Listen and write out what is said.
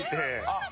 あっ！